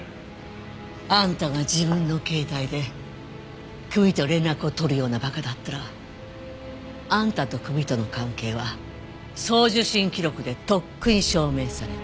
あんたが自分の携帯で組と連絡を取るような馬鹿だったらあんたと組との関係は送受信記録でとっくに証明されてる。